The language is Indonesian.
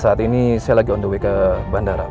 saat ini saya lagi on the way ke bandara